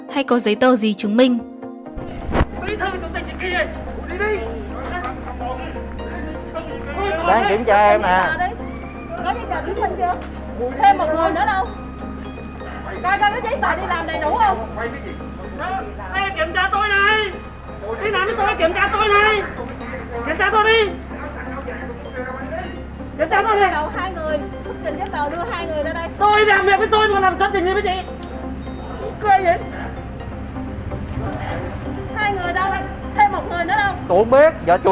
hay có giấy tờ gì chứng minh